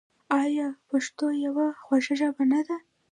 آیا پښتو یوه خوږه ژبه نه ده؟